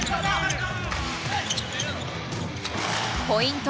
ポイント